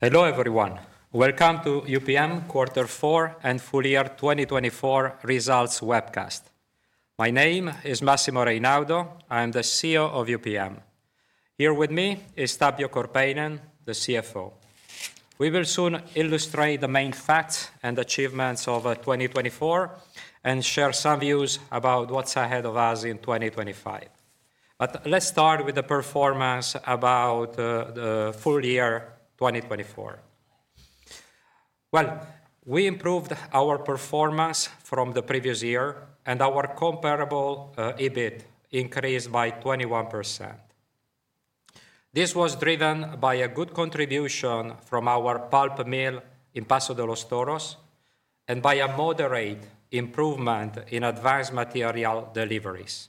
Hello everyone, welcome to UPM Q4 and Full Year 2024 Results Webcast. My name is Massimo Reynaudo. I am the CEO of UPM. Here with me is Tapio Korpeinen, the CFO. We will soon illustrate the main facts and achievements of 2024 and share some views about what's ahead of us in 2025. Let's start with the performance about the full year 2024. We improved our performance from the previous year, and our comparable EBIT increased by 21%. This was driven by a good contribution from our pulp mill in Paso de los Toros and by a moderate improvement in advanced material deliveries.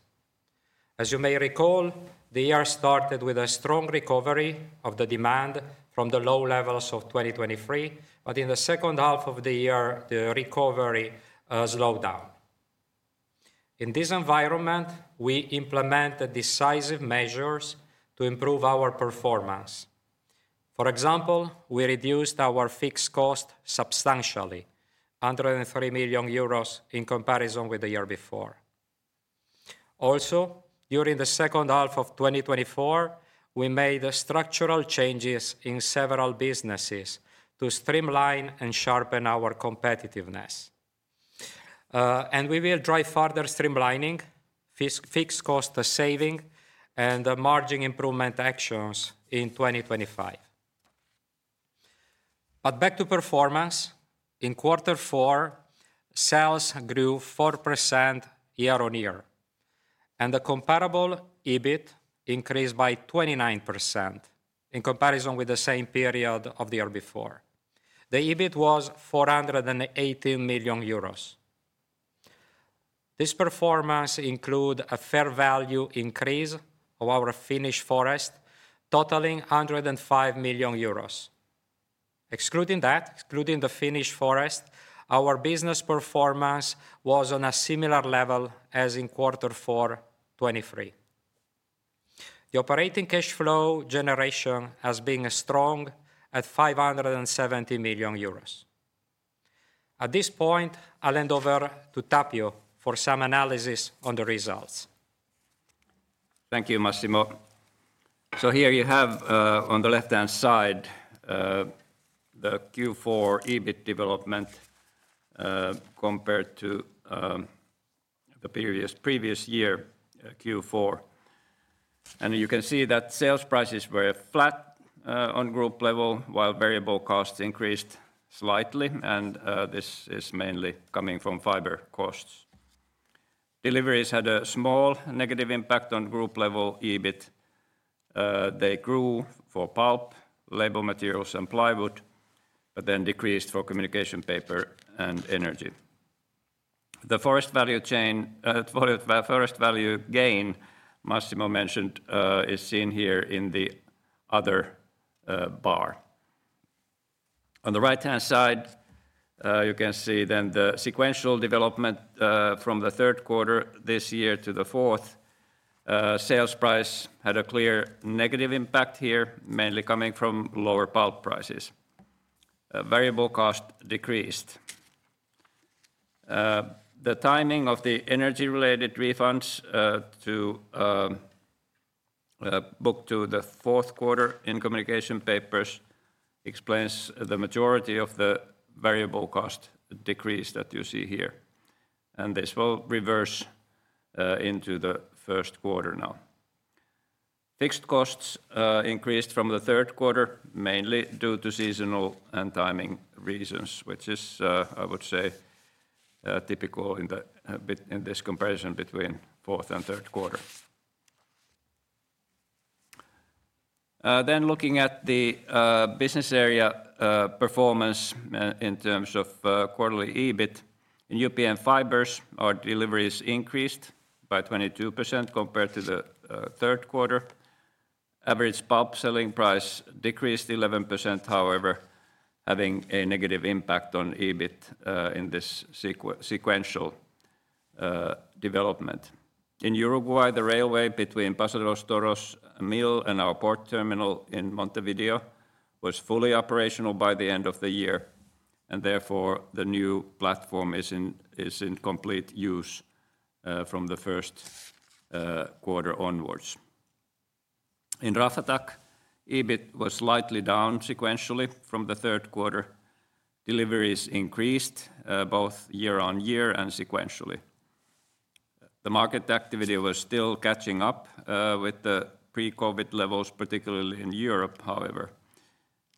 As you may recall, the year started with a strong recovery of the demand from the low levels of 2023, but in the second half of the year, the recovery slowed down. In this environment, we implemented decisive measures to improve our performance. For example, we reduced our fixed costs substantially, 103 million euros in comparison with the year before. Also, during the second half of 2024, we made structural changes in several businesses to streamline and sharpen our competitiveness and we will drive further streamlining, fixed cost saving, and margin improvement actions in 2025 but back to performance, in Q4, sales grew 4% year on year, and the comparable EBIT increased by 29% in comparison with the same period of the year before. The EBIT was 418 million euros. This performance included a fair value increase of our Finnish forest, totaling 105 million euros. Excluding that, excluding the Finnish forest, our business performance was on a similar level as in Q4, 2023. The operating cash flow generation has been strong at 570 million euros. At this point, I'll hand over to Tapio for some analysis on the results. Thank you, Massimo. So here you have on the left-hand side the Q4 EBIT development compared to the previous year Q4. And you can see that sales prices were flat on group level, while variable costs increased slightly, and this is mainly coming from fiber costs. Deliveries had a small negative impact on group level EBIT. They grew for pulp, label materials, and plywood, but then decreased for communication paper and energy. The forest value gain, Massimo mentioned, is seen here in the other bar. On the right-hand side, you can see then the sequential development from the Q3 this year to the fourth. Sales price had a clear negative impact here, mainly coming from lower pulp prices. Variable cost decreased. The timing of the energy-related refunds booked to the Q4 in Communication Papers explains the majority of the variable cost decrease that you see here. This will reverse into the Q1 now. Fixed costs increased from the Q3, mainly due to seasonal and timing reasons, which is, I would say, typical in this comparison between fourth and Q3. Looking at the business area performance in terms of quarterly EBIT, in UPM Fibres, our deliveries increased by 22% compared to the Q3. Average pulp selling price decreased 11%, however, having a negative impact on EBIT in this sequential development. In Uruguay, the railway between Paso de los Toros mill and our port terminal in Montevideo was fully operational by the end of the year, and therefore the new platform is in complete use from the Q1 onwards. In Raflatac, EBIT was slightly down sequentially from the Q3. Deliveries increased both year on year and sequentially. The market activity was still catching up with the pre-COVID levels, particularly in Europe, however.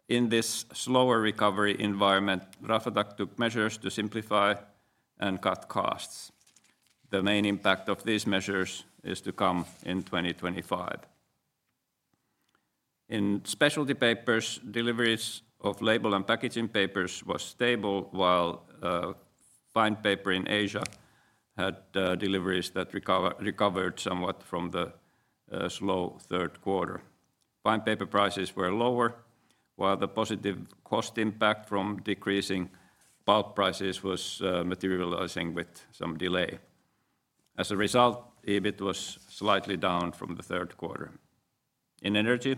In this slower recovery environment, Raflatac took measures to simplify and cut costs. The main impact of these measures is to come in 2025. In specialty papers, deliveries of label and packaging papers were stable, while fine paper in Asia had deliveries that recovered somewhat from the slow Q3. Fine paper prices were lower, while the positive cost impact from decreasing pulp prices was materializing with some delay. As a result, EBIT was slightly down from the Q3. In energy,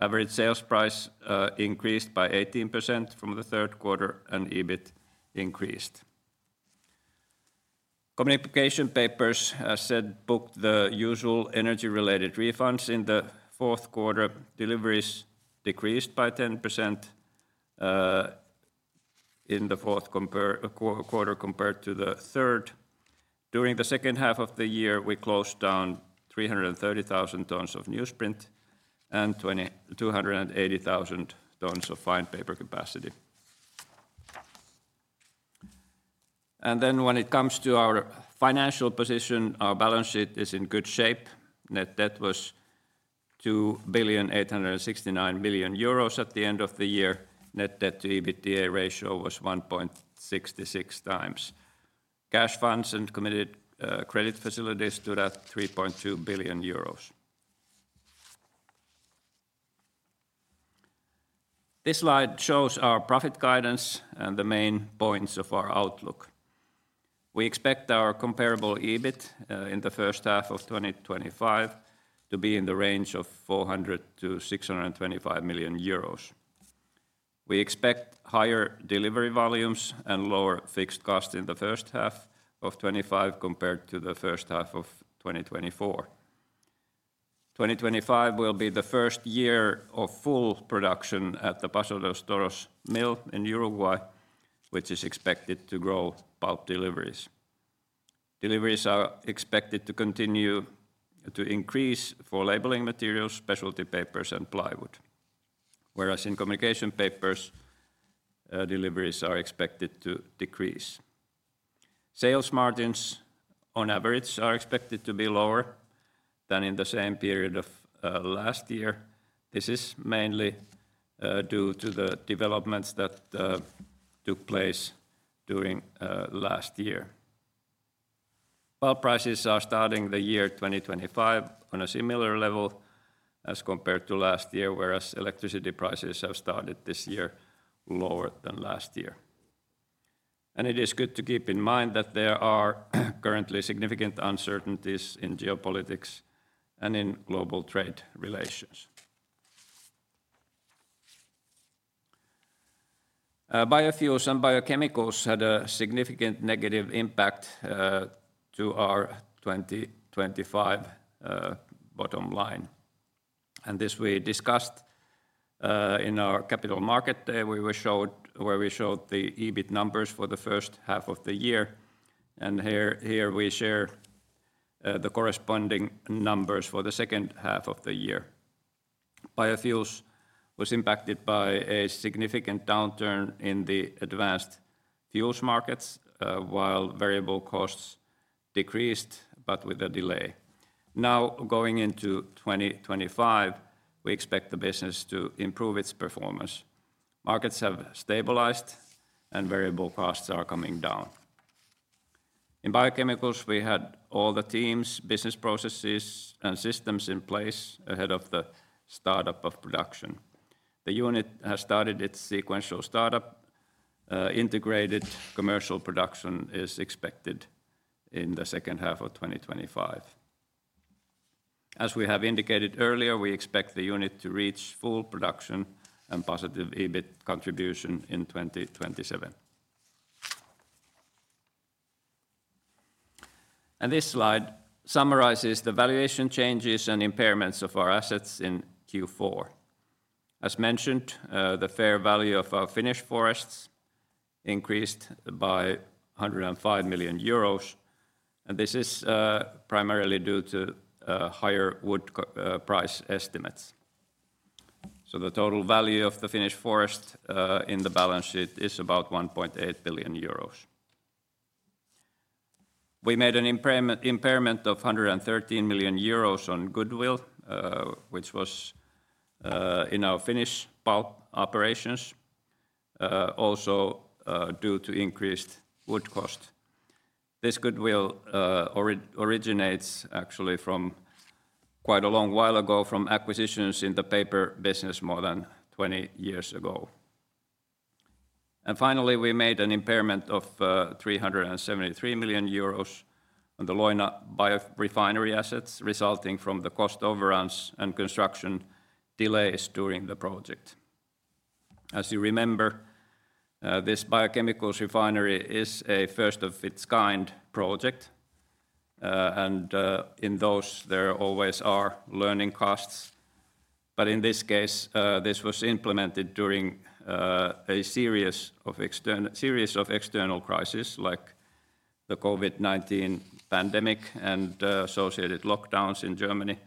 average sales price increased by 18% from the Q3, and EBIT increased. Communication papers, as said, booked the usual energy-related refunds in the Q4. Deliveries decreased by 10% in the Q4 compared to the third. During the second half of the year, we closed down 330,000 tons of newsprint and 280,000 tons of fine paper capacity. And then when it comes to our financial position, our balance sheet is in good shape. Net debt was 2,869 million euros at the end of the year. Net debt to EBITDA ratio was 1.66 times. Cash funds and committed credit facilities stood at 3.2 billion euros. This slide shows our profit guidance and the main points of our outlook. We expect our comparable EBIT in the first half of 2025 to be in the range of 400 to 625 million. We expect higher delivery volumes and lower fixed costs in the first half of 2025 compared to the first half of 2024. 2025 will be the first year of full production at the Paso de los Toros mill in Uruguay, which is expected to grow pulp deliveries. Deliveries are expected to continue to increase for labeling materials, specialty papers, and plywood, whereas in communication papers, deliveries are expected to decrease. Sales margins, on average, are expected to be lower than in the same period of last year. This is mainly due to the developments that took place during last year. Pulp prices are starting the year 2025 on a similar level as compared to last year, whereas electricity prices have started this year lower than last year. It is good to keep in mind that there are currently significant uncertainties in geopolitics and in global trade relations. Biofuels and biochemicals had a significant negative impact to our 2025 bottom line. This we discussed in our Capital Markets Day, where we showed the EBIT numbers for the first half of the year. Here we share the corresponding numbers for the second half of the year. Biofuels was impacted by a significant downturn in the advanced fuels markets, while variable costs decreased, but with a delay. Now, going into 2025, we expect the business to improve its performance. Markets have stabilized and variable costs are coming down. In biochemicals, we had all the teams, business processes, and systems in place ahead of the startup of production. The unit has started its sequential startup. Integrated commercial production is expected in the second half of 2025. As we have indicated earlier, we expect the unit to reach full production and positive EBIT contribution in 2027. And this slide summarizes the valuation changes and impairments of our assets in Q4. As mentioned, the fair value of our Finnish forests increased by 105 million euros, and this is primarily due to higher wood price estimates. So the total value of the Finnish forest in the balance sheet is about 1.8 billion euros. We made an impairment of 113 million euros on goodwill, which was in our Finnish pulp operations, also due to increased wood cost. This goodwill originates actually from quite a long while ago from acquisitions in the paper business more than 20 years ago. And finally, we made an impairment of 373 million euros on the Leuna biorefinery assets, resulting from the cost overruns and construction delays during the project. As you remember, this biochemicals refinery is a first-of-its-kind project, and in those, there always are learning costs. But in this case, this was implemented during a series of external crises like the COVID-19 pandemic and associated lockdowns in Germany,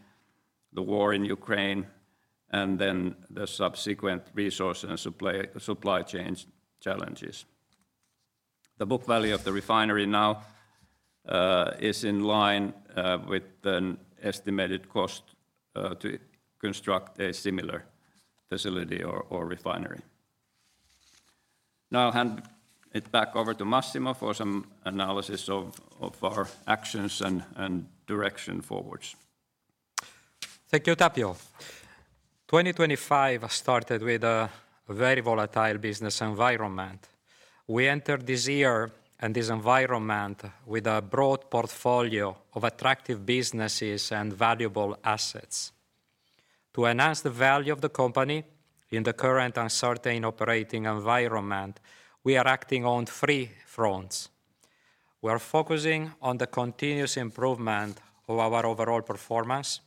the war in Ukraine, and then the subsequent resource and supply chain challenges. The book value of the refinery now is in line with the estimated cost to construct a similar facility or refinery. Now I'll hand it back over to Massimo for some analysis of our actions and direction forwards. Thank you, Tapio. 2025 started with a very volatile business environment. We entered this year and this environment with a broad portfolio of attractive businesses and valuable assets. To enhance the value of the company in the current uncertain operating environment, we are acting on three fronts. We are focusing on the continuous improvement of our overall performance.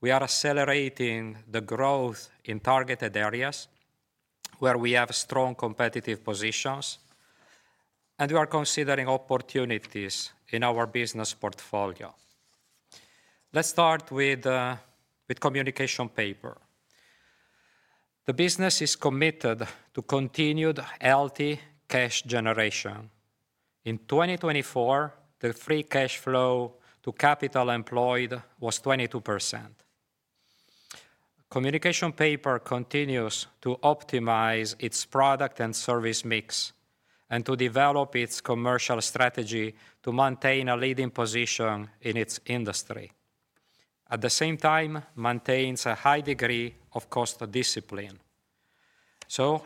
We are accelerating the growth in targeted areas where we have strong competitive positions, and we are considering opportunities in our business portfolio. Let's start with communication paper. The business is committed to continued healthy cash generation. In 2024, the free cash flow to capital employed was 22%. Communication paper continues to optimize its product and service mix and to develop its commercial strategy to maintain a leading position in its industry. At the same time, it maintains a high degree of cost discipline.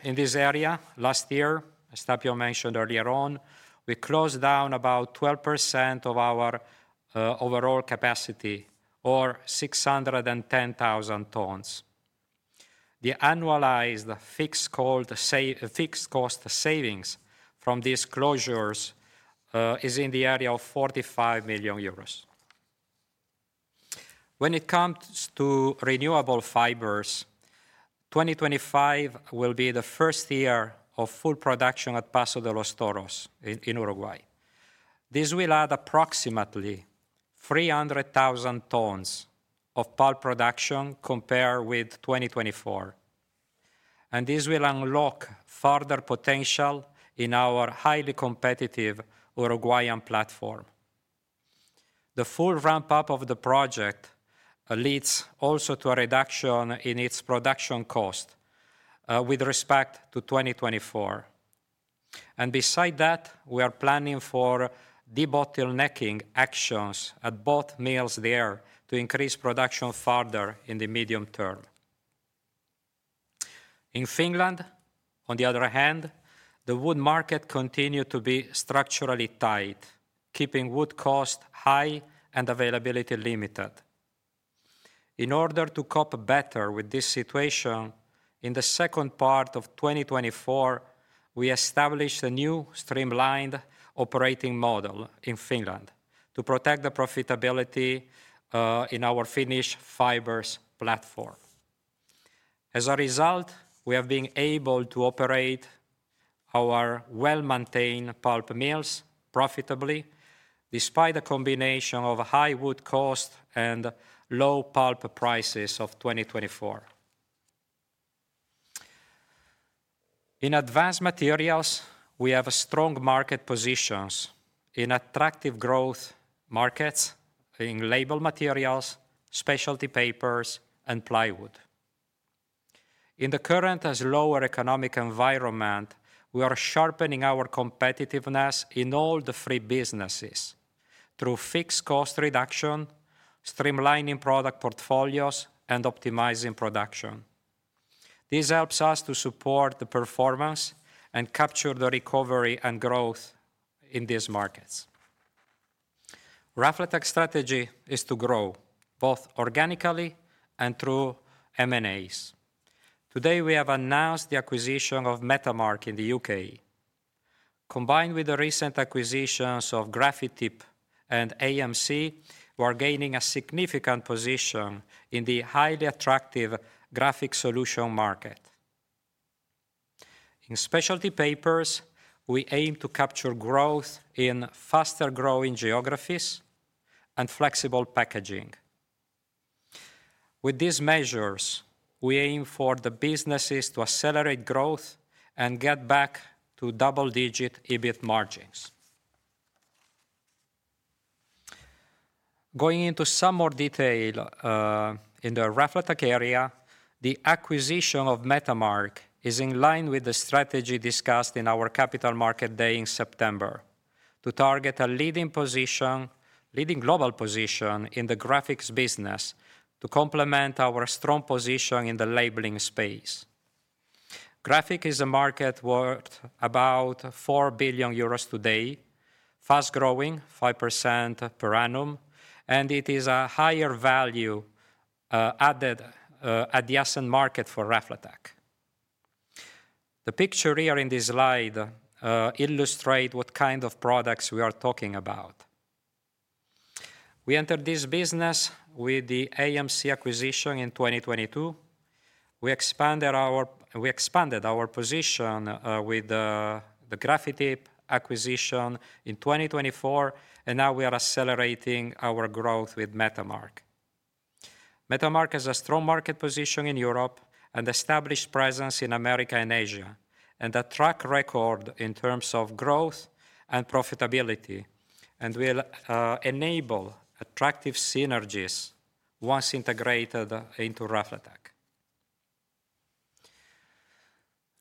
In this area, last year, as Tapio mentioned earlier on, we closed down about 12% of our overall capacity, or 610,000 tons. The annualized fixed cost savings from these closures is in the area of 45 million euros. When it comes to renewable fibers, 2025 will be the first year of full production at Paso de los Toros in Uruguay. This will add approximately 300,000 tons of pulp production compared with 2024. This will unlock further potential in our highly competitive Uruguayan platform. The full ramp-up of the project leads also to a reduction in its production cost with respect to 2024. Besides that, we are planning for de-bottlenecking actions at both mills there to increase production further in the medium term. In Finland, on the other hand, the wood market continued to be structurally tight, keeping wood costs high and availability limited. In order to cope better with this situation, in the second part of 2024, we established a new streamlined operating model in Finland to protect the profitability in our UPM Fibres platform. As a result, we have been able to operate our well-maintained pulp mills profitably despite a combination of high wood costs and low pulp prices of 2024. In advanced materials, we have strong market positions in attractive growth markets in labeled materials, specialty papers, and plywood. In the current, somewhat lower economic environment, we are sharpening our competitiveness in all the three businesses through fixed cost reduction, streamlining product portfolios, and optimizing production. This helps us to support the performance and capture the recovery and growth in these markets. Raflatac's strategy is to grow both organically and through M&As. Today, we have announced the acquisition of Metamark in the UK. Combined with the recent acquisitions of Grafityp and AMC, we are gaining a significant position in the highly attractive graphic solution market. In specialty papers, we aim to capture growth in faster-growing geographies and flexible packaging. With these measures, we aim for the businesses to accelerate growth and get back to double-digit EBIT margins. Going into some more detail in the Raflatac area, the acquisition of Metamark is in line with the strategy discussed in our capital market day in September to target a leading global position in the graphics business to complement our strong position in the labeling space. Graphic is a market worth about 4 billion euros today, fast-growing, 5% per annum, and it is a higher-value added adjacent market for Raflatac. The picture here in this slide illustrates what kind of products we are talking about. We entered this business with the AMC acquisition in 2022. We expanded our position with the Grafityp acquisition in 2024, and now we are accelerating our growth with Metamark. Metamark has a strong market position in Europe and established presence in America and Asia, and a track record in terms of growth and profitability, and will enable attractive synergies once integrated into Raflatac.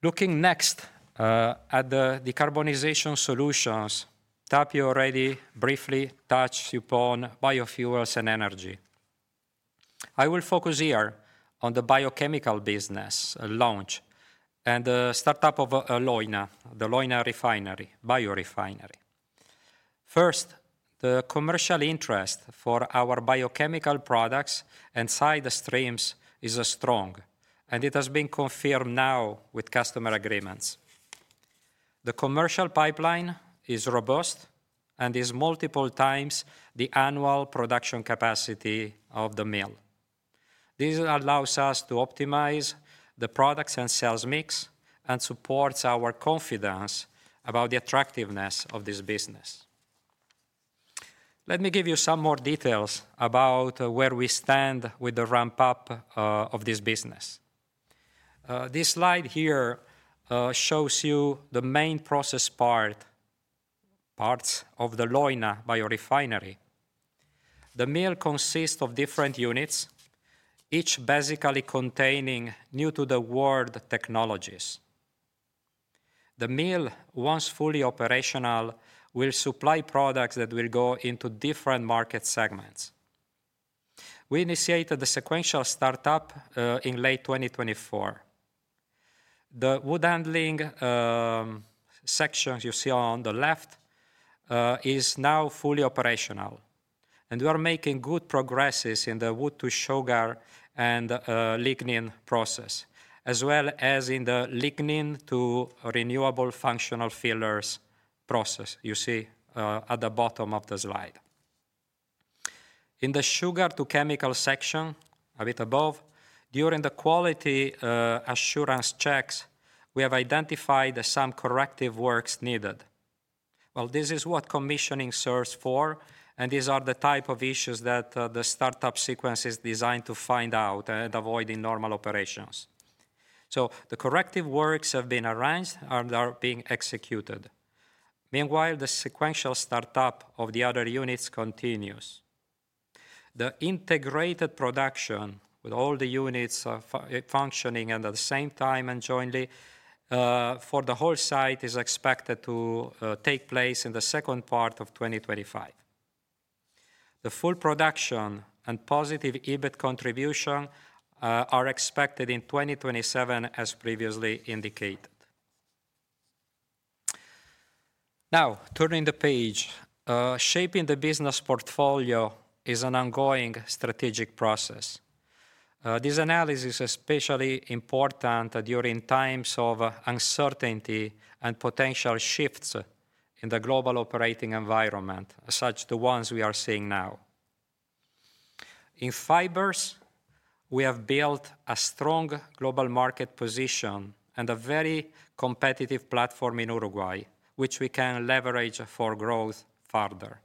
Looking next at the decarbonization solutions, Tapio already briefly touched upon biofuels and energy. I will focus here on the biochemical business launch and the startup of Leuna, the Leuna biorefinery. First, the commercial interest for our biochemical products and side streams is strong, and it has been confirmed now with customer agreements. The commercial pipeline is robust and is multiple times the annual production capacity of the mill. This allows us to optimize the products and sales mix and supports our confidence about the attractiveness of this business. Let me give you some more details about where we stand with the ramp-up of this business. This slide here shows you the main process parts of the Leuna biorefinery. The mill consists of different units, each basically containing new-to-the-world technologies. The mill, once fully operational, will supply products that will go into different market segments. We initiated the sequential startup in late 2024. The wood handling section you see on the left is now fully operational, and we are making good progresses in the wood-to-sugar and lignin process, as well as in the lignin-to-renewable functional fillers process you see at the bottom of the slide. In the sugar-to-chemical section a bit above, during the quality assurance checks, we have identified some corrective works needed. This is what commissioning serves for, and these are the type of issues that the startup sequence is designed to find out and avoid in normal operations. The corrective works have been arranged and are being executed. Meanwhile, the sequential startup of the other units continues. The integrated production with all the units functioning at the same time and jointly for the whole site is expected to take place in the second part of 2025. The full production and positive EBIT contribution are expected in 2027, as previously indicated. Now, turning the page, shaping the business portfolio is an ongoing strategic process. This analysis is especially important during times of uncertainty and potential shifts in the global operating environment, such as the ones we are seeing now. In Fibres, we have built a strong global market position and a very competitive platform in Uruguay, which we can leverage for growth further.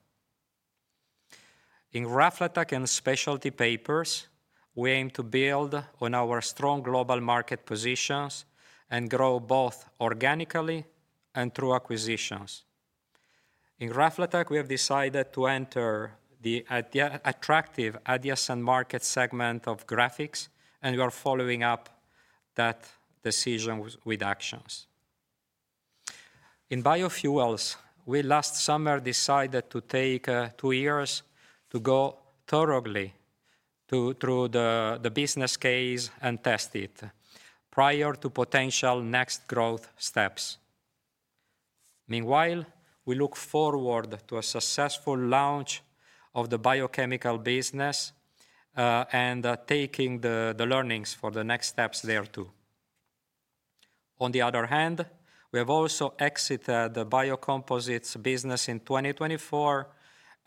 In Raflatac and specialty papers, we aim to build on our strong global market positions and grow both organically and through acquisitions. In Raflatac, we have decided to enter the attractive adjacent market segment of graphics, and we are following up that decision with actions. In Biofuels, we last summer decided to take two years to go thoroughly through the business case and test it prior to potential next growth steps. Meanwhile, we look forward to a successful launch of the biochemical business and taking the learnings for the next steps there too. On the other hand, we have also exited the Biocomposites business in 2024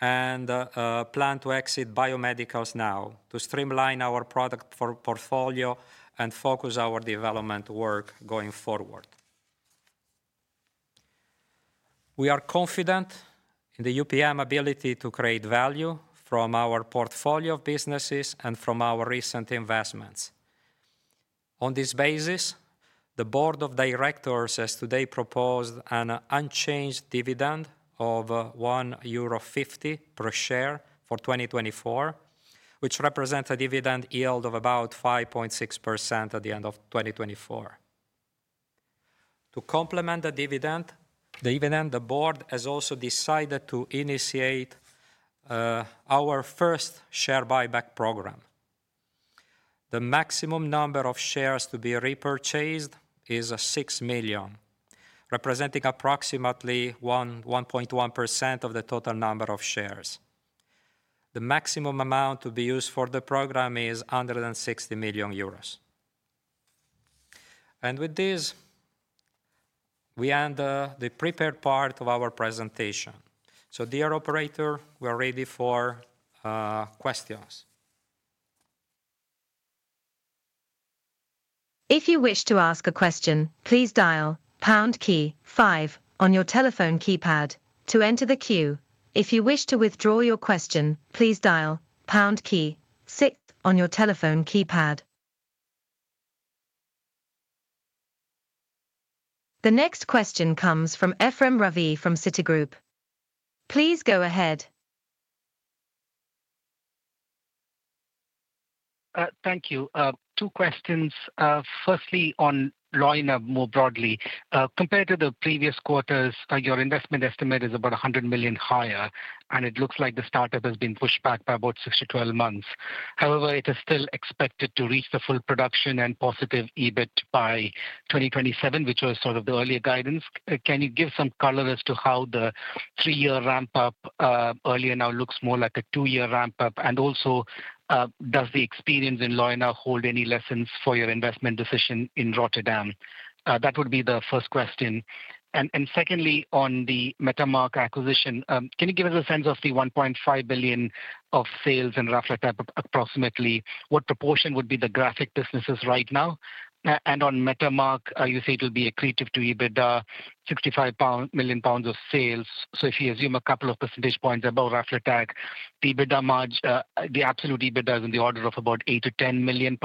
and plan to exit Biomedicals now to streamline our product portfolio and focus our development work going forward. We are confident in UPM ability to create value from our portfolio of businesses and from our recent investments. On this basis, the board of directors has today proposed an unchanged dividend of 1.50 euro per share for 2024, which represents a dividend yield of about 5.6% at the end of 2024. To complement the dividend, the board has also decided to initiate our first share buyback program. The maximum number of shares to be repurchased is six million, representing approximately 1.1% of the total number of shares. The maximum amount to be used for the program is 160 million euros. And with this, we end the prepared part of our presentation. So, dear operator, we are ready for questions. If you wish to ask a question, please dial pound key five on your telephone keypad to enter the queue. If you wish to withdraw your question, please dial pound key six on your telephone keypad. The next question comes from Ephrem Ravi from Citigroup. Please go ahead. Thank you. Two questions. Firstly, on Leuna more broadly. Compared to the previous quarters, your investment estimate is about 100 million higher, and it looks like the startup has been pushed back by about six to 12 months. However, it is still expected to reach the full production and positive EBIT by 2027, which was sort of the earlier guidance. Can you give some color as to how the three-year ramp-up earlier now looks more like a two-year ramp-up? And also, does the experience in Leuna hold any lessons for your investment decision in Rotterdam? That would be the first question. And secondly, on the Metamark acquisition, can you give us a sense of the 1.5 billion of sales in Raflatac approximately? What proportion would be the graphic businesses right now? And on Metamark, you say it will be accretive to EBITDA, 65 million pounds of sales. So if you assume a couple of percentage points above Raflatac, the absolute EBITDA is in the order of about 8 to 10 million,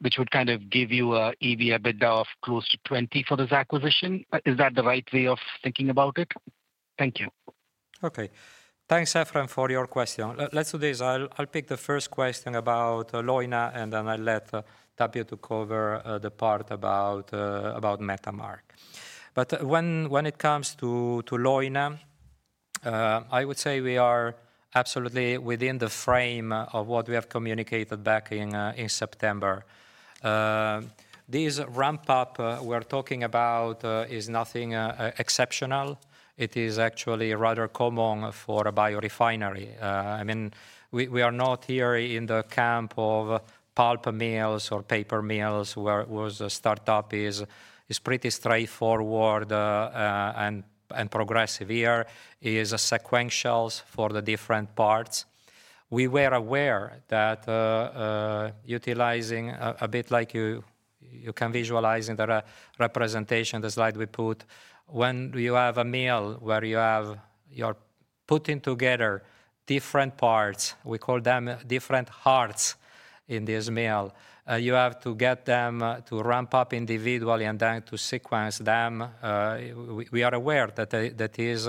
which would kind of give you an EBITDA of close to 20 for this acquisition. Is that the right way of thinking about it? Thank you. Okay. Thanks, Ephrem, for your question. Let's do this. I'll pick the first question about Leuna, and then I'll let Tapio to cover the part about Metamark. But when it comes to Leuna, I would say we are absolutely within the frame of what we have communicated back in September. This ramp-up we're talking about is nothing exceptional. It is actually rather common for a biorefinery. I mean, we are not here in the camp of pulp mills or paper mills where the startup is pretty straightforward and progressive. Here is a sequential for the different parts. We were aware that utilizing a bit like you can visualize in the representation, the slide we put, when you have a mill where you are putting together different parts, we call them different hearts in this mill, you have to get them to ramp up individually and then to sequence them. We are aware that that is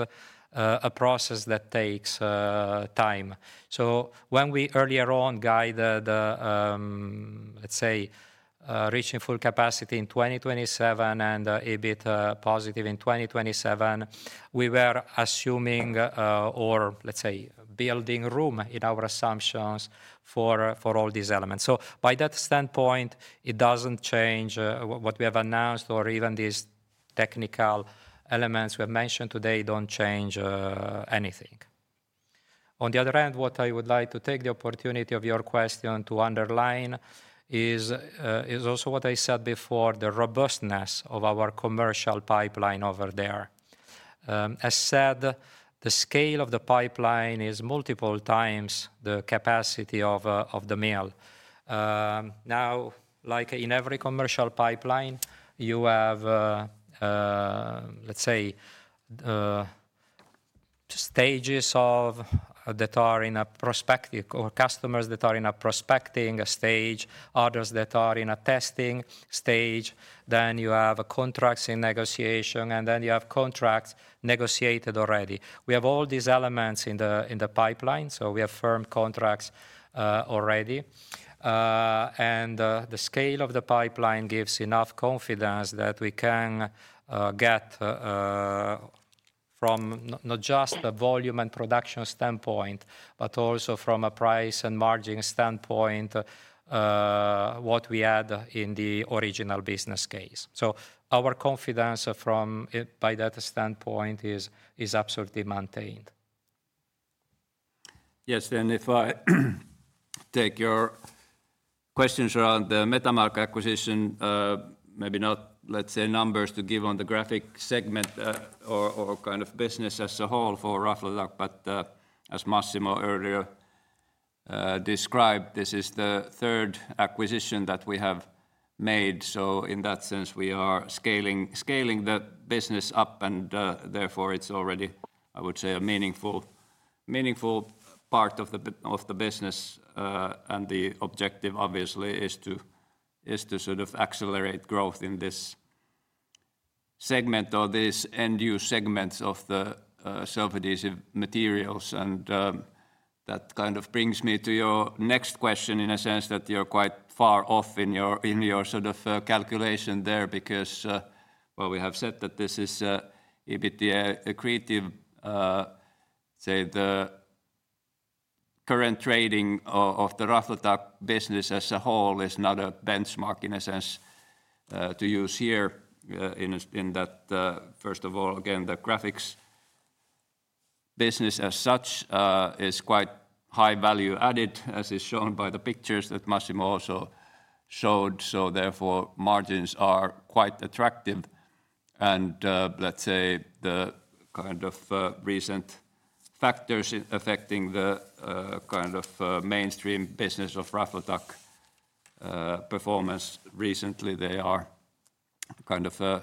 a process that takes time. So when we earlier on guided, let's say, reaching full capacity in 2027 and EBIT positive in 2027, we were assuming or, let's say, building room in our assumptions for all these elements. So by that standpoint, it doesn't change what we have announced or even these technical elements we have mentioned today don't change anything. On the other hand, what I would like to take the opportunity of your question to underline is also what I said before, the robustness of our commercial pipeline over there. As said, the scale of the pipeline is multiple times the capacity of the mill. Now, like in every commercial pipeline, you have, let's say, stages that are in a prospecting or customers that are in a prospecting stage, others that are in a testing stage. Then you have contracts in negotiation, and then you have contracts negotiated already. We have all these elements in the pipeline, so we have firm contracts already. And the scale of the pipeline gives enough confidence that we can get from not just the volume and production standpoint, but also from a price and margin standpoint what we had in the original business case. So our confidence by that standpoint is absolutely maintained. Yes, then if I take your questions around the Metamark acquisition, maybe not, let's say, numbers to give on the graphic segment or kind of business as a whole for Raflatac, but as Massimo earlier described, this is the third acquisition that we have made. So in that sense, we are scaling the business up, and therefore it's already, I would say, a meaningful part of the business. And the objective, obviously, is to sort of accelerate growth in this segment or these end-use segments of the self-adhesive materials. And that kind of brings me to your next question in a sense that you're quite far off in your sort of calculation there because, well, we have said that this is EBIT accretive. The current trading of the Raflatac business as a whole is not a benchmark in a sense to use here in that, first of all, again, the graphics business as such is quite high value added, as is shown by the pictures that Massimo also showed, so therefore, margins are quite attractive, and let's say the kind of recent factors affecting the kind of mainstream business of Raflatac performance recently, they are kind of a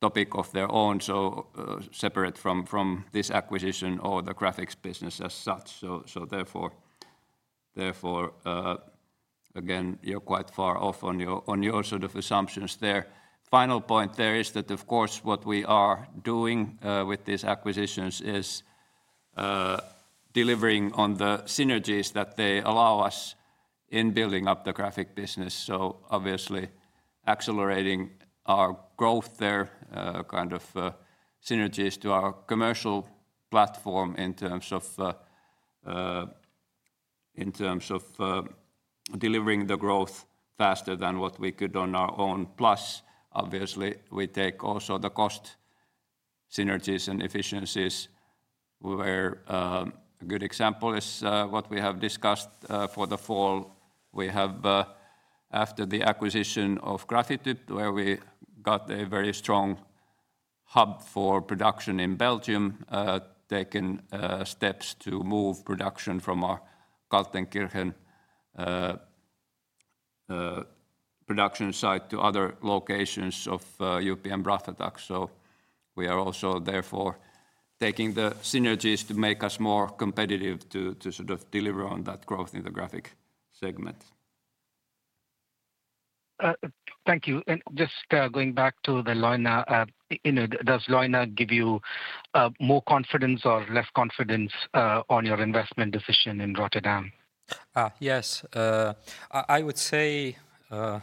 topic of their own, so separate from this acquisition or the graphics business as such, so therefore, again, you're quite far off on your sort of assumptions there. Final point there is that, of course, what we are doing with these acquisitions is delivering on the synergies that they allow us in building up the graphic business. Obviously, accelerating our growth there, kind of synergies to our commercial platform in terms of delivering the growth faster than what we could on our own. Plus, obviously, we take also the cost synergies and efficiencies, where a good example is what we have discussed for the fall. We have, after the acquisition of Grafityp, where we got a very strong hub for production in Belgium, taken steps to move production from our Kaltenkirchen production site to other locations of UPM Raflatac. So we are also therefore taking the synergies to make us more competitive to sort of deliver on that growth in the graphic segment. Thank you. And just going back to the Leuna, does Leuna give you more confidence or less confidence on your investment decision in Rotterdam? Yes. I would say, of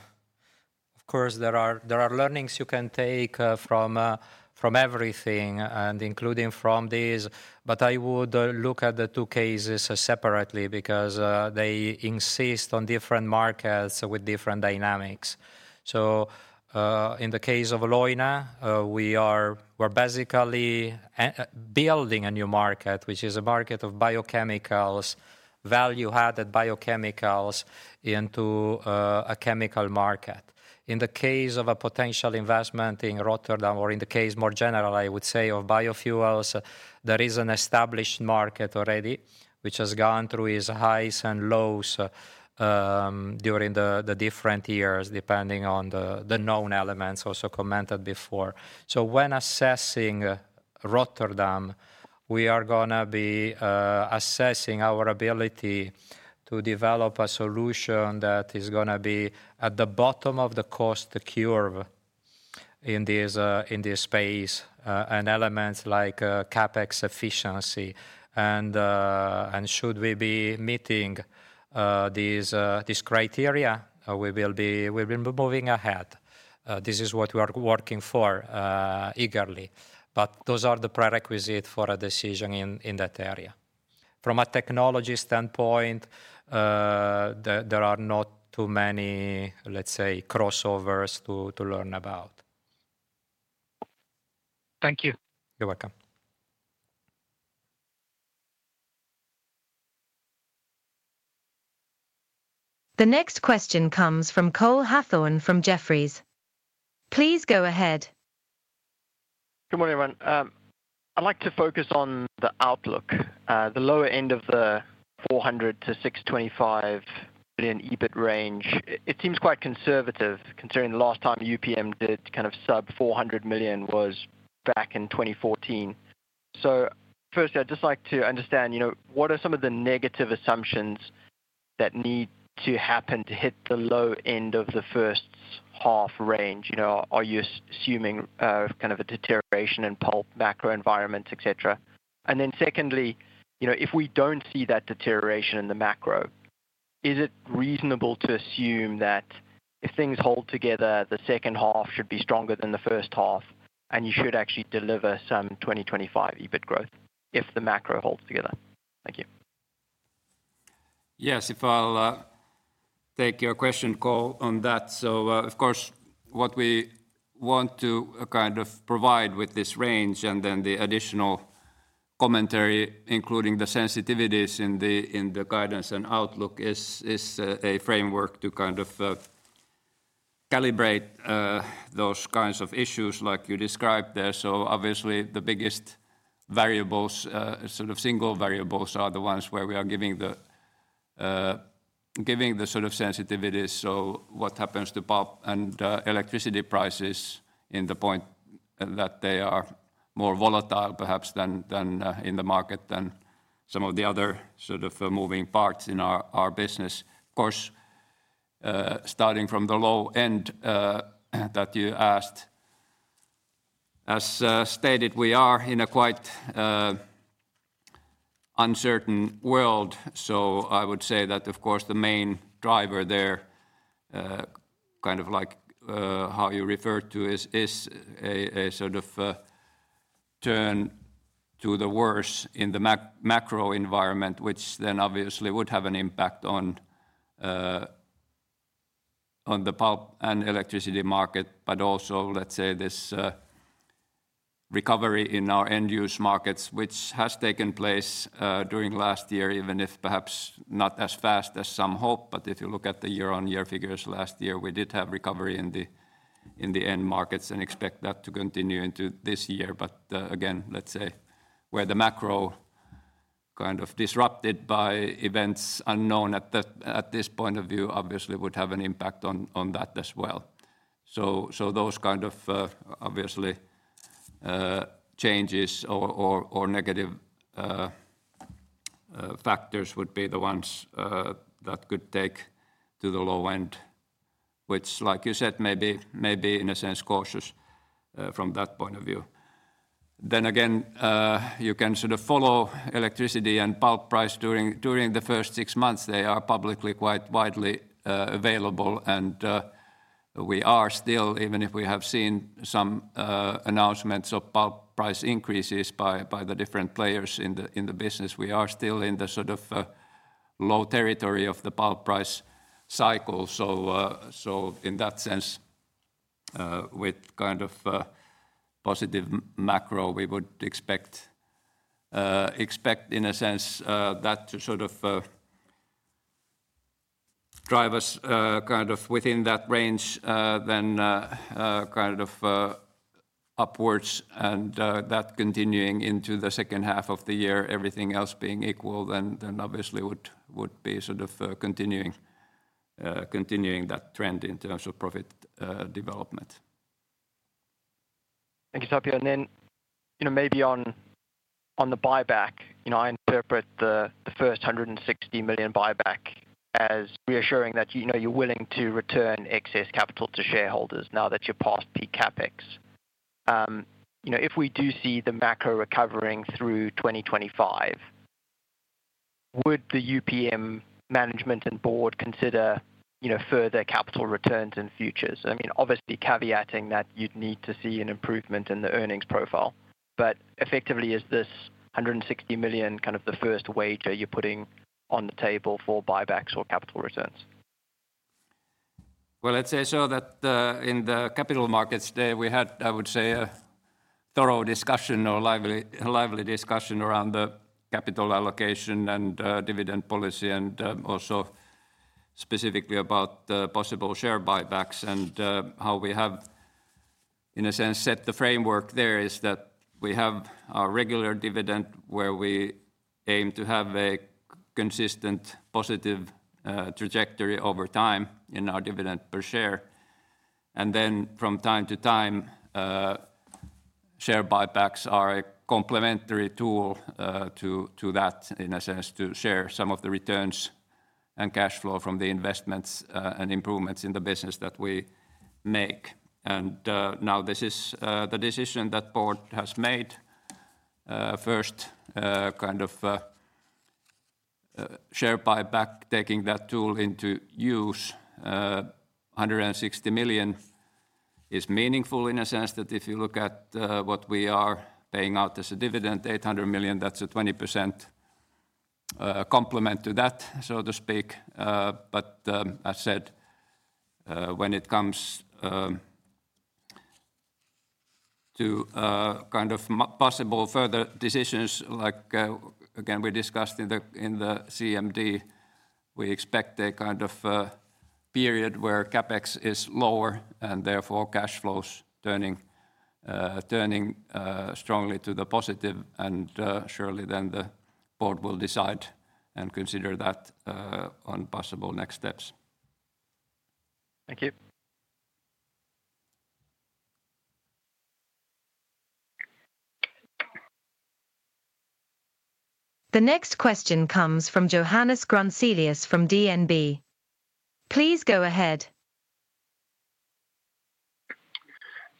course, there are learnings you can take from everything, including from these. But I would look at the two cases separately because they insist on different markets with different dynamics. So in the case of Leuna, we are basically building a new market, which is a market of biochemicals, value-added biochemicals into a chemical market. In the case of a potential investment in Rotterdam, or in the case more general, I would say, of biofuels, there is an established market already, which has gone through its highs and lows during the different years, depending on the known elements also commented before. So when assessing Rotterdam, we are going to be assessing our ability to develop a solution that is going to be at the bottom of the cost curve in this space and elements like CapEx efficiency. And should we be meeting these criteria, we will be moving ahead. This is what we are working for eagerly. But those are the prerequisites for a decision in that area. From a technology standpoint, there are not too many, let's say, crossovers to learn about. Thank you. You're welcome. The next question comes from Cole Hathorn from Jefferies. Please go ahead. Good morning, everyone. I'd like to focus on the outlook. The lower end of the 400 to 625 million EBIT range, it seems quite conservative considering the last time UPM did kind of sub 400 million was back in 2014. So firstly, I'd just like to understand, what are some of the negative assumptions that need to happen to hit the low end of the first half range? Are you assuming kind of a deterioration in pulp macro environments, etc.? And then secondly, if we don't see that deterioration in the macro, is it reasonable to assume that if things hold together, the second half should be stronger than the first half, and you should actually deliver some 2025 EBIT growth if the macro holds together? Thank you. Yes, I'll take your question, Cole, on that. So of course, what we want to kind of provide with this range and then the additional commentary, including the sensitivities in the guidance and outlook, is a framework to kind of calibrate those kinds of issues like you described there. So obviously, the biggest variables, sort of single variables, are the ones where we are giving the sort of sensitivities. What happens to pulp and electricity prices to the point that they are more volatile, perhaps than in the market, than some of the other sort of moving parts in our business. Of course, starting from the low end that you asked, as stated, we are in a quite uncertain world. I would say that, of course, the main driver there, kind of like how you referred to, is a sort of turn for the worse in the macro environment, which then obviously would have an impact on the pulp and electricity market, but also, let's say, this recovery in our end-use markets, which has taken place during last year, even if perhaps not as fast as some hope. But if you look at the year-on-year figures last year, we did have recovery in the end markets and expect that to continue into this year. But again, let's say where the macro kind of disrupted by events unknown at this point of view, obviously would have an impact on that as well, so those kind of obviously changes or negative factors would be the ones that could take to the low end, which, like you said, may be in a sense cautious from that point of view, then again you can sort of follow electricity and pulp price during the first six months. They are publicly quite widely available, and we are still, even if we have seen some announcements of pulp price increases by the different players in the business, we are still in the sort of low territory of the pulp price cycle. So in that sense, with kind of positive macro, we would expect in a sense that to sort of drive us kind of within that range, then kind of upwards and that continuing into the second half of the year, everything else being equal, then obviously would be sort of continuing that trend in terms of profit development. Thank you, Tapio. And then maybe on the buyback, I interpret the first 160 million buyback as reassuring that you're willing to return excess capital to shareholders now that you're past peak CapEx. If we do see the macro recovering through 2025, would the UPM management and board consider further capital returns and futures? I mean, obviously caveating that you'd need to see an improvement in the earnings profile, but effectively, is this 160 million kind of the first wager you're putting on the table for buybacks or capital returns? Let's say so that in the Capital Markets Day, we had, I would say, a thorough discussion or lively discussion around the capital allocation and dividend policy and also specifically about possible share buybacks and how we have, in a sense, set the framework there is that we have our regular dividend where we aim to have a consistent positive trajectory over time in our dividend per share, and then from time to time, share buybacks are a complementary tool to that, in a sense, to share some of the returns and cash flow from the investments and improvements in the business that we make, and now this is the decision that board has made. First, kind of share buyback, taking that tool into use, 160 million is meaningful in a sense that if you look at what we are paying out as a dividend, 800 million, that's a 20% complement to that, so to speak. But as said, when it comes to kind of possible further decisions, like again, we discussed in the CMD, we expect a kind of period where CapEx is lower and therefore cash flows turning strongly to the positive. And surely then the board will decide and consider that on possible next steps. Thank you. The next question comes from Johannes Grunselius from DNB. Please go ahead.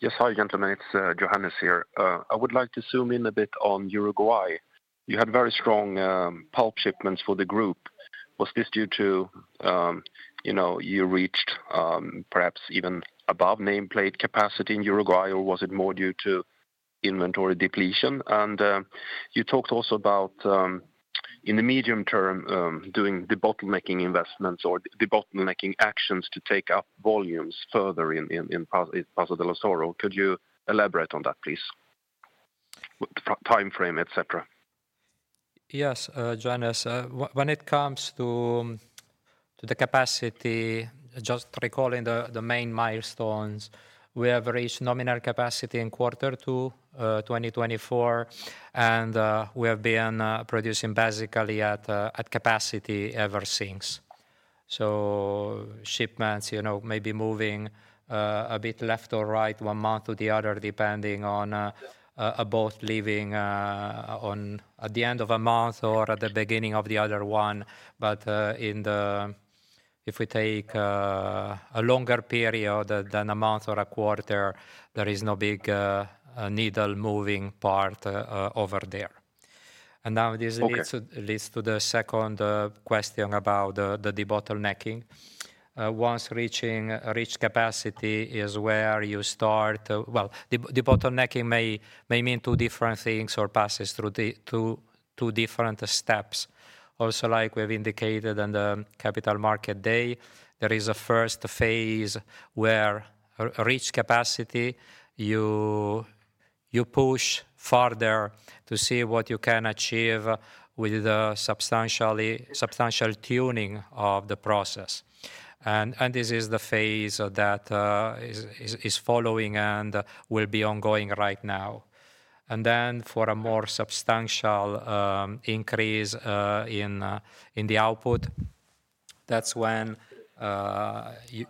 Yes, hi gentlemen, it's Johannes here. I would like to zoom in a bit on Uruguay. You had very strong pulp shipments for the group. Was this due to you reached perhaps even above nameplate capacity in Uruguay, or was it more due to inventory depletion? And you talked also about in the medium term doing the de-bottlenecking investments or the de-bottlenecking actions to take up volumes further in Paso de los Toros. Could you elaborate on that, please? Timeframe, etc. Yes, Johannes, when it comes to the capacity, just recalling the main milestones, we have reached nominal capacity in quarter two 2024, and we have been producing basically at capacity ever since. So shipments may be moving a bit left or right one month or the other, depending on a boat leaving at the end of a month or at the beginning of the other one. But if we take a longer period than a month or a quarter, there is no big needle moving part over there. Now this leads to the second question about the de-bottlenecking. Once reached capacity is where you start, well, the de-bottlenecking may mean two different things or passes through two different steps. Also, like we have indicated on the Capital Markets Day, there is a first phase where reached capacity, you push farther to see what you can achieve with the substantial tuning of the process. This is the phase that is following and will be ongoing right now. For a more substantial increase in the output, that's when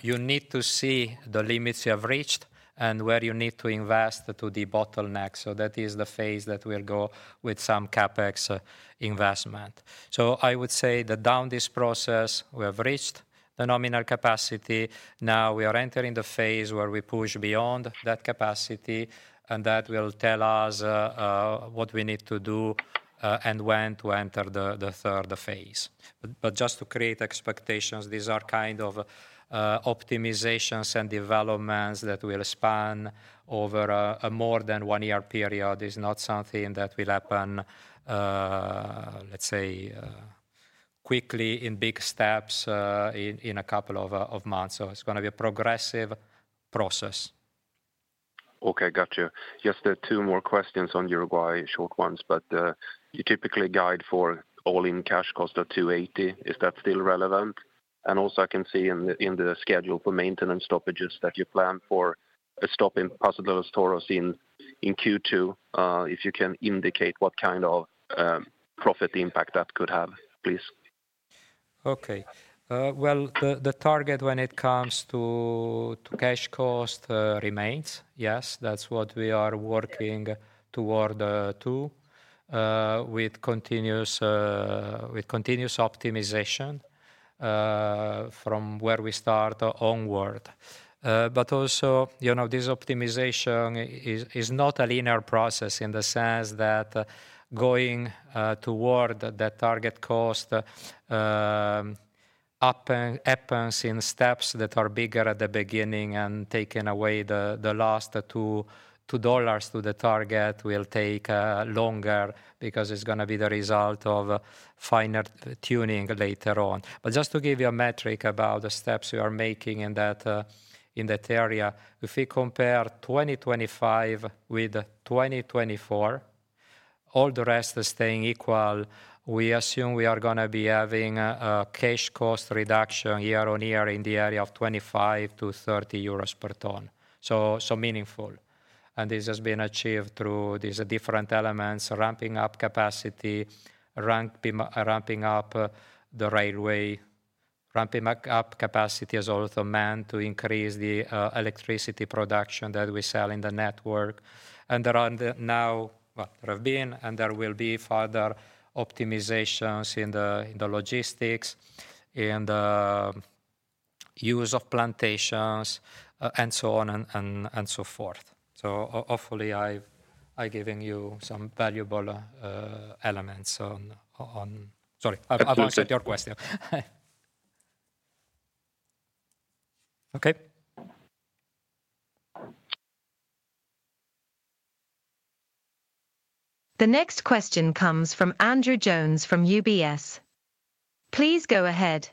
you need to see the limits you have reached and where you need to invest to the bottleneck. That is the phase that will go with some CapEx investment. I would say that down this process, we have reached the nominal capacity. Now we are entering the phase where we push beyond that capacity, and that will tell us what we need to do and when to enter the third phase. But just to create expectations, these are kind of optimizations and developments that will span over a more than one year period. It's not something that will happen, let's say, quickly in big steps in a couple of months. So it's going to be a progressive process. Okay, got you. Just two more questions on Uruguay, short ones, but you typically guide for all-in cash cost of 280. Is that still relevant? And also I can see in the schedule for maintenance stoppages that you plan for a stop in Paso de los Toros in Q2. If you can indicate what kind of profit impact that could have, please. Okay, well, the target when it comes to cash cost remains. Yes, that's what we are working toward too with continuous optimization from where we start onward. But also this optimization is not a linear process in the sense that going toward that target cost happens in steps that are bigger at the beginning and taking away the last $2 to the target will take longer because it's going to be the result of finer tuning later on. But just to give you a metric about the steps we are making in that area, if we compare 2025 with 2024, all the rest is staying equal, we assume we are going to be having a cash cost reduction year on year in the area of 25 to 30 per ton. So meaningful. And this has been achieved through these different elements, ramping up capacity, ramping up the railway, ramping up capacity has also meant to increase the electricity production that we sell in the network. And there are now, well, there have been and there will be further optimizations in the logistics, in the use of plantations and so on and so forth. So hopefully I'm giving you some valuable elements. Sorry, I've answered your question. Okay. The next question comes from Andrew Jones from UBS. Please go ahead.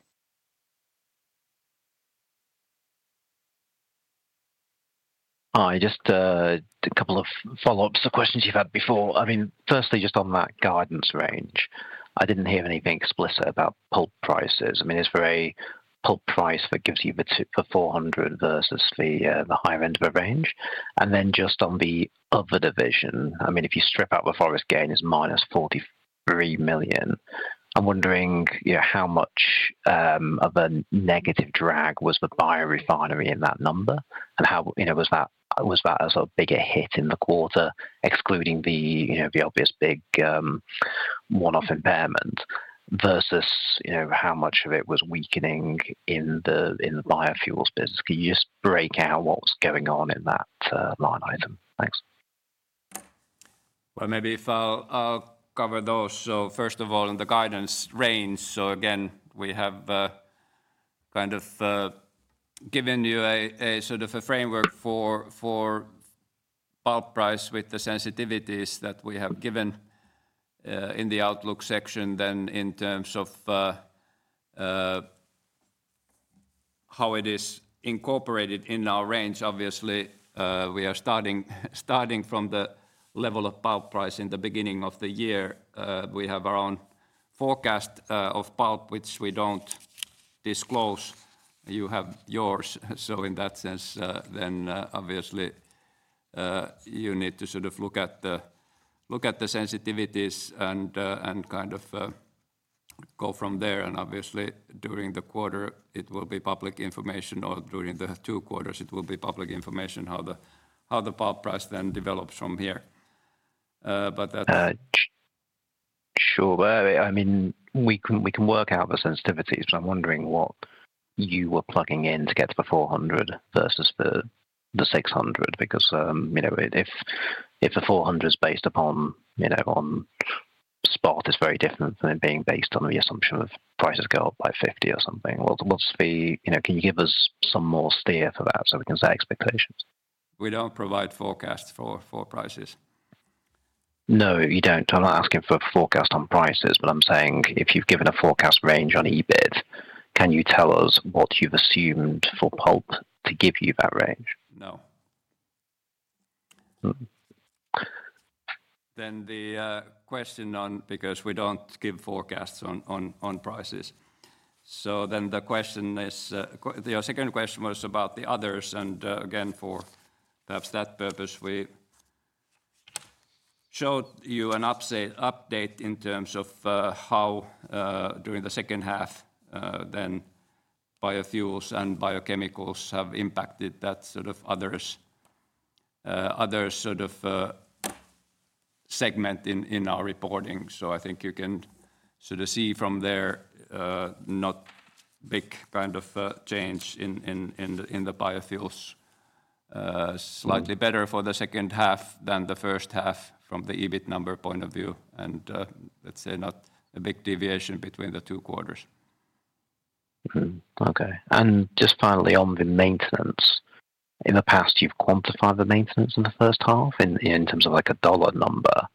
Hi, just a couple of follow-ups to questions you've had before. I mean, firstly, just on that guidance range, I didn't hear anything explicit about pulp prices. I mean, it's very pulp price that gives you the 400 versus the higher end of a range. And then just on the other division, I mean, if you strip out the forest gain, it's minus 43 million. I'm wondering how much of a negative drag was the biorefinery in that number? And was that a sort of bigger hit in the quarter, excluding the obvious big one-off impairment versus how much of it was weakening in the biofuels business? Can you just break out what was going on in that line item? Thanks. Well, maybe I'll cover those. So first of all, in the guidance range, so again, we have kind of given you a sort of a framework for pulp price with the sensitivities that we have given in the outlook section, then in terms of how it is incorporated in our range, obviously we are starting from the level of pulp price in the beginning of the year. We have our own forecast of pulp, which we don't disclose. You have yours. So in that sense, then obviously you need to sort of look at the sensitivities and kind of go from there. And obviously during the quarter, it will be public information, or during the two quarters, it will be public information how the pulp price then develops from here. Sure. I mean, we can work out the sensitivities, but I'm wondering what you were plugging in to get to the 400 versus the 600, because if the 400 is based upon spot, it's very different than it being based on the assumption of prices go up by 50 or something. Can you give us some more steer for that so we can set expectations? We don't provide forecasts for prices. No, you don't. I'm not asking for a forecast on prices, but I'm saying if you've given a forecast range on EBIT, can you tell us what you've assumed for pulp to give you that range? No. Then the question on, because we don't give forecasts on prices. So then the question is, your second question was about the others. And again, for perhaps that purpose, we showed you an update in terms of how during the second half, then biofuels and biochemicals have impacted that sort of other sort of segment in our reporting. So I think you can sort of see from there not big kind of change in the biofuels, slightly better for the second half than the first half from the EBIT number point of view. And let's say not a big deviation between the two quarters. Okay. Just finally on the maintenance, in the past, you've quantified the maintenance in the first half in terms of like a dollar number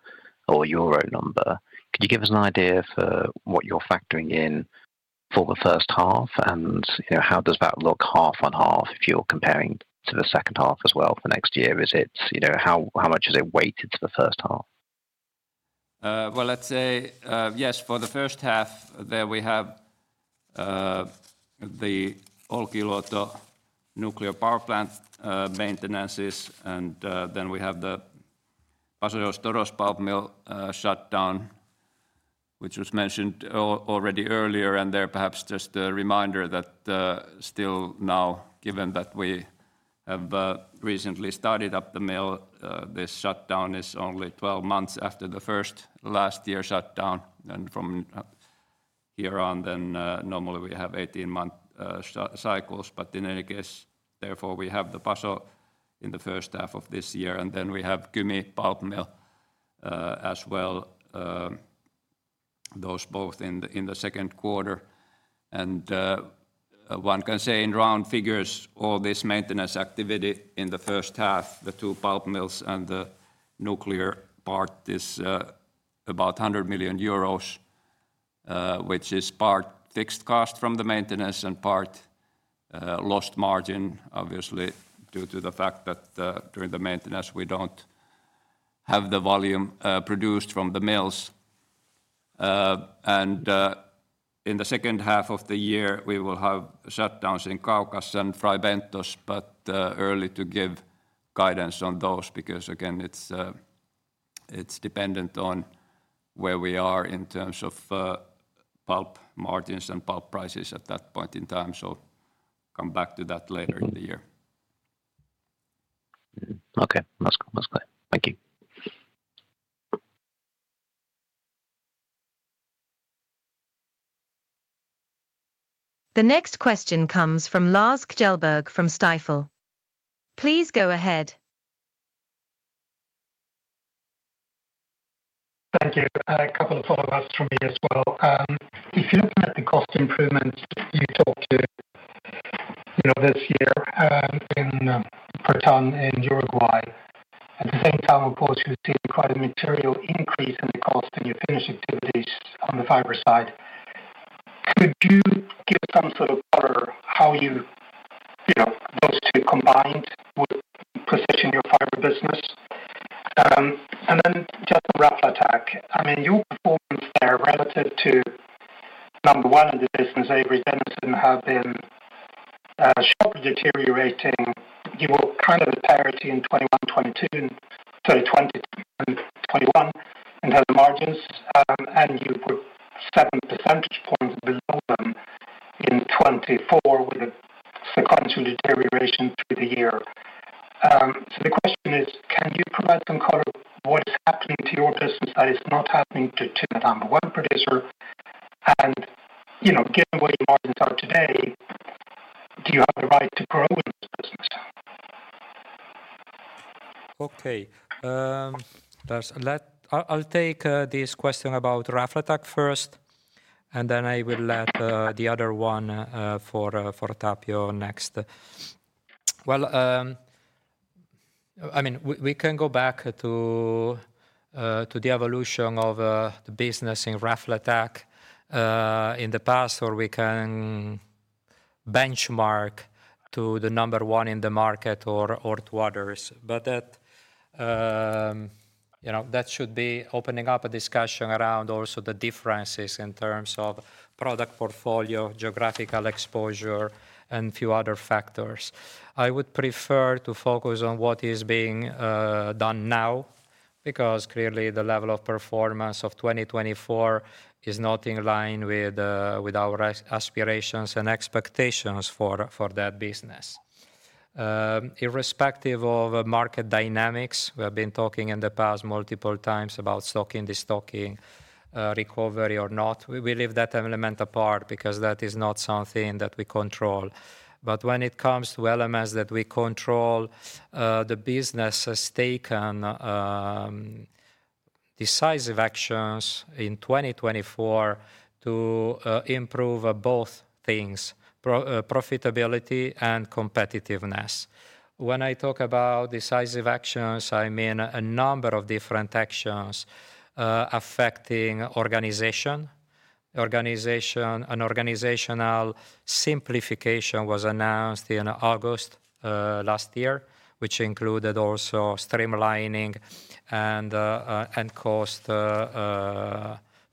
or euro number. Could you give us an idea for what you're factoring in for the first half? How does that look half on half if you're comparing to the second half as well for next year? How much has it weighed to the first half? Let's say, yes, for the first half, there we have the Olkiluoto nuclear power plant maintenance. Then we have the Paso de los Toros's pulp mill shutdown, which was mentioned already earlier. There perhaps just a reminder that still now, given that we have recently started up the mill, this shutdown is only 12 months after the first last year shutdown. From here on, then normally we have 18-month cycles. In any case, therefore we have the Paso in the first half of this year. And then we have Kymi pulp mill as well. Those both in the Q2. And one can say in round figures, all this maintenance activity in the first half, the two pulp mills and the nuclear part is about 100 million euros, which is part fixed cost from the maintenance and part lost margin, obviously due to the fact that during the maintenance, we don't have the volume produced from the mills. And in the second half of the year, we will have shutdowns in Kaukas and Fray Bentos, but early to give guidance on those because again, it's dependent on where we are in terms of pulp margins and pulp prices at that point in time. So come back to that later in the year. Okay, that's good. Thank you. The next question comes from Lars Kjellberg from Stifel. Please go ahead. Thank you. A couple of follow-ups from me as well. If you're looking at the cost improvements you talked to this year in per ton in Uruguay, at the same time, of course, you've seen quite a material increase in the cost and your Finnish activities on the fiber side. Could you give some sort of color how those two combined would position your fiber business? And then, I mean, your performance there relative to number one in the business, Avery Dennison, have been sharply deteriorating. You were kind of at parity in 2021 and 2022 and had the margins, and you were 7 percentage points below them in 2024 with a sequential deterioration through the year. So the question is, can you provide some color of what is happening to your business that is not happening to number one producer? And given where your margins are today, do you have the right to grow in this business? Okay. I'll take this question about Raflatac first, and then I will let the other one for Tapio next. Well, I mean, we can go back to the evolution of the business in Raflatac in the past, or we can benchmark to the number one in the market or to others. But that should be opening up a discussion around also the differences in terms of product portfolio, geographical exposure, and a few other factors. I would prefer to focus on what is being done now because clearly the level of performance of 2024 is not in line with our aspirations and expectations for that business. Irrespective of market dynamics, we have been talking in the past multiple times about stocking, destocking, recovery or not. We leave that element apart because that is not something that we control. But when it comes to elements that we control, the business has taken decisive actions in 2024 to improve both things, profitability and competitiveness. When I talk about decisive actions, I mean a number of different actions affecting organization. An organizational simplification was announced in August last year, which included also streamlining and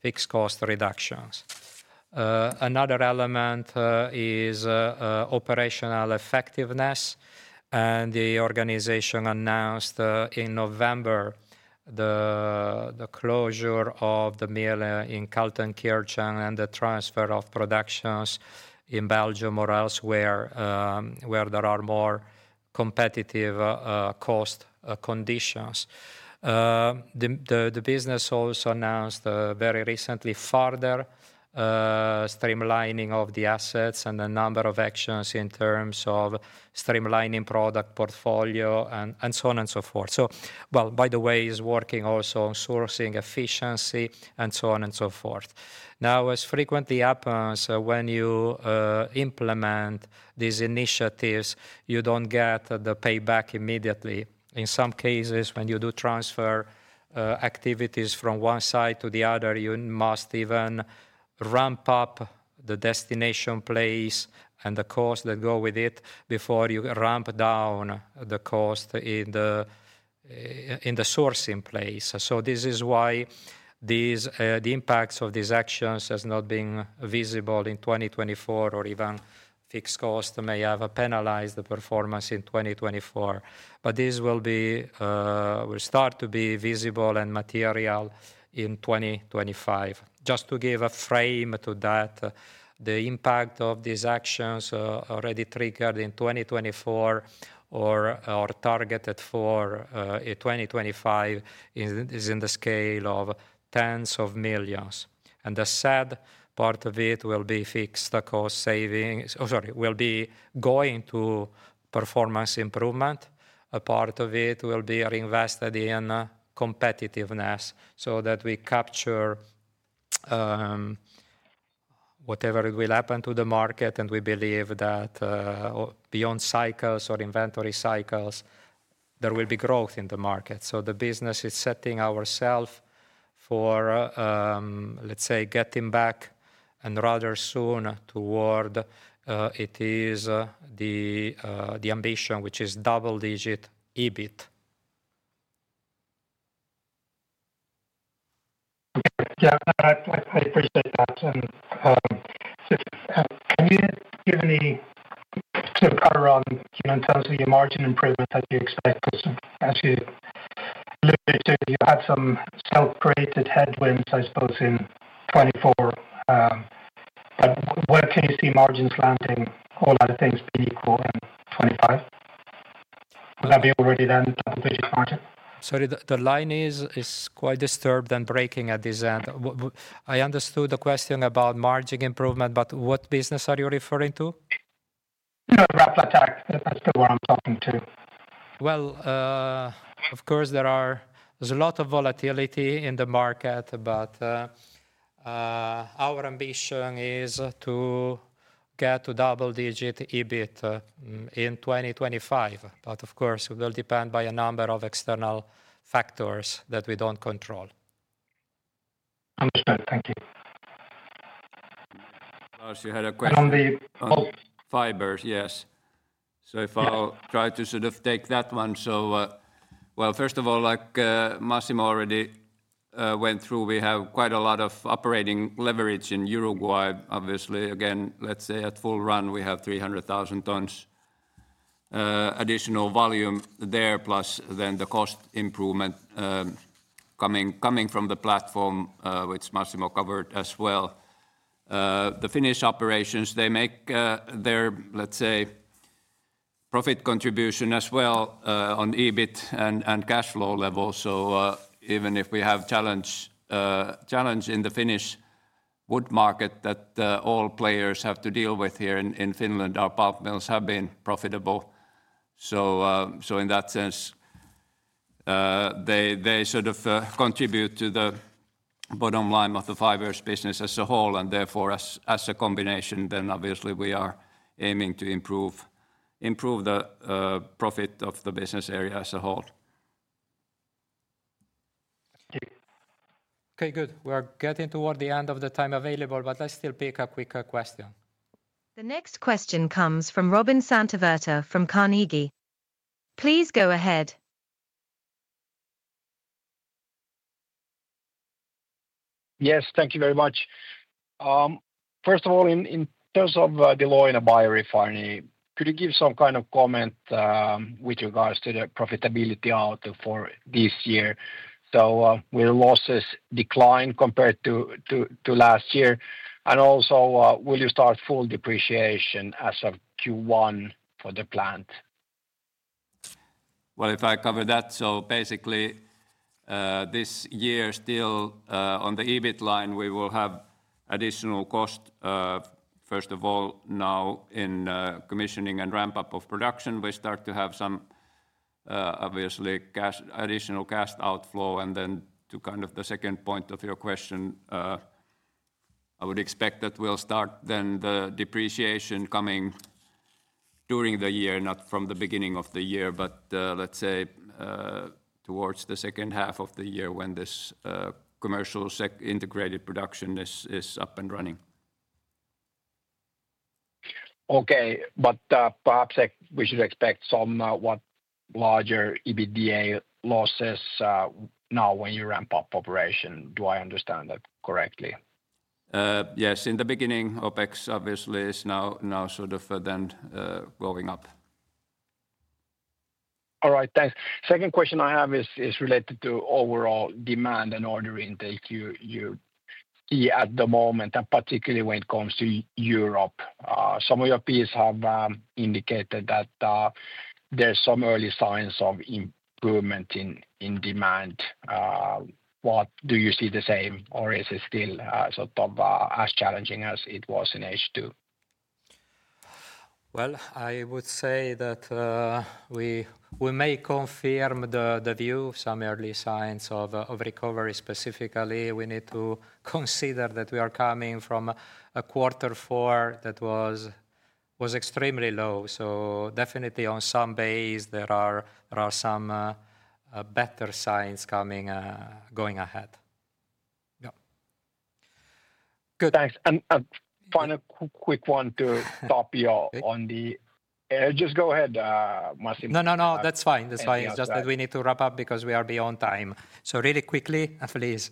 fixed cost reductions. Another element is operational effectiveness, and the organization announced in November the closure of the mill in Kaltenkirchen and the transfer of productions in Belgium or elsewhere where there are more competitive cost conditions. The business also announced very recently further streamlining of the assets and a number of actions in terms of streamlining product portfolio and so on and so forth. By the way, it's working also on sourcing efficiency and so on and so forth. Now, as frequently happens when you implement these initiatives, you don't get the payback immediately. In some cases, when you do transfer activities from one side to the other, you must even ramp up the destination place and the cost that go with it before you ramp down the cost in the sourcing place. So this is why the impacts of these actions have not been visible in 2024, or even fixed cost may have penalized the performance in 2024. But this will start to be visible and material in 2025. Just to give a frame to that, the impact of these actions already triggered in 2024 or targeted for 2025 is in the scale of tens of millions. The said part of it will be fixed cost savings, sorry, will be going to performance improvement. A part of it will be reinvested in competitiveness so that we capture whatever will happen to the market. We believe that beyond cycles or inventory cycles, there will be growth in the market. The business is setting ourself for, let's say, getting back and rather soon toward it is the ambition, which is double-digit EBIT. Yeah, I appreciate that. Can you give any sort of color on in terms of your margin improvement that you expect? Because actually, you had some self-created headwinds, I suppose, in 2024. Where can you see margins landing? All other things being equal in 2025? Will that be already then double-digit margin? Sorry, the line is quite disturbed and breaking at this end. I understood the question about margin improvement, but what business are you referring to? No, Raflatac. That's the one I'm talking about. Well, of course, there's a lot of volatility in the market, but our ambition is to get to double-digit EBIT in 2025. But of course, it will depend on a number of external factors that we don't control. Understood. Thank you. Lars, you had a question? On the Pulp Fibres, yes. So if I'll try to sort of take that one, so, well, first of all, like Massimo already went through, we have quite a lot of operating leverage in Uruguay. Obviously, again, let's say at full run, we have 300,000 tons additional volume there, plus then the cost improvement coming from the platform, which Massimo covered as well. The Finnish operations, they make their, let's say, profit contribution as well on EBIT and cash flow level. So even if we have challenge in the Finnish wood market that all players have to deal with here in Finland, our pulp mills have been profitable. So in that sense, they sort of contribute to the bottom line of the fibers business as a whole. And therefore, as a combination, then obviously we are aiming to improve the profit of the business area as a whole. Okay, good. We are getting toward the end of the time available, but let's still pick a quick question. The next question comes from Robin Santavirta from Carnegie. Please go ahead. Yes, thank you very much. First of all, in terms of Leuna and biorefinery, could you give some kind of comment with regards to the profitability outlook for this year? So will losses decline compared to last year? And also, will you start full depreciation as of Q1 for the plant? If I cover that, so basically this year still on the EBIT line, we will have additional cost. First of all, now in commissioning and ramp-up of production, we start to have some obviously additional cash outflow. And then to kind of the second point of your question, I would expect that we'll start then the depreciation coming during the year, not from the beginning of the year, but let's say towards the second half of the year when this commercial integrated production is up and running. Okay, but perhaps we should expect some larger EBITDA losses now when you ramp up operation. Do I understand that correctly? Yes, in the beginning, OpEx obviously is now sort of then going up. All right, thanks. Second question I have is related to overall demand and order intake you see at the moment, and particularly when it comes to Europe. Some of your peers have indicated that there's some early signs of improvement in demand. What do you see the same, or is it still sort of as challenging as it was in H2? Well, I would say that we may confirm the view of some early signs of recovery. Specifically, we need to consider that we are coming from a quarter four that was extremely low. So definitely on some base, there are some better signs coming going ahead. Yeah. Good. Thanks. And final quick one to Tapio on the just go ahead, Massimo. No, no, no, that's fine. That's fine. It's just that we need to wrap up because we are beyond time. So really quickly, please.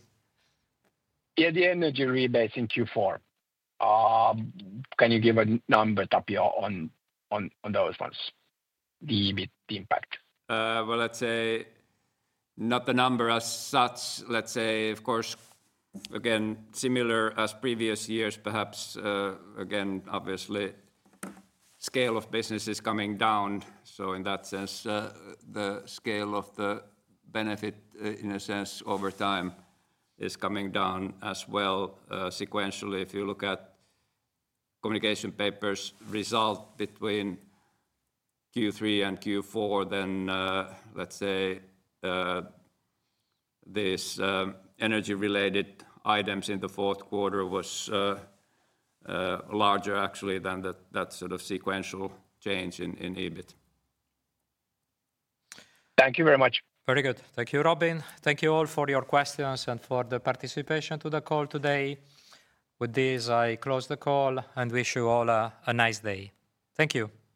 Yeah, the energy rebates in Q4. Can you give a number, Tapio, on those ones, the EBIT impact? Well, let's say not the number as such. Let's say, of course, again, similar as previous years, perhaps. Again, obviously, the scale of business is coming down. So in that sense, the scale of the benefit in a sense over time is coming down as well sequentially. If you look at communication papers' result between Q3 and Q4, then let's say these energy-related items in the Q4 was larger actually than that sort of sequential change in EBIT. Thank you very much. Very good. Thank you, Robin. Thank you all for your questions and for the participation to the call today. With this, I close the call and wish you all a nice day. Thank you.